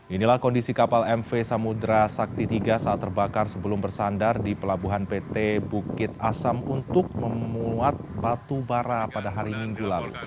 inilah kondisi kapal mv samudera sakti iii saat terbakar sebelum bersandar di pelabuhan pt bukit asam untuk memuat batu bara pada hari minggu lalu